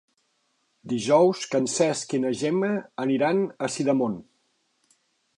Dijous en Cesc i na Gemma aniran a Sidamon.